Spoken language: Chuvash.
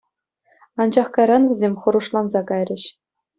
Анчах кайран вӗсем хӑрушланса кайрӗҫ.